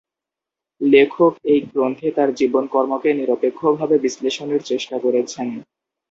লেখক এই গ্রন্থে তার জীবন কর্মকে নিরপেক্ষভাবে বিশ্লেষণের চেষ্টা করেছেন।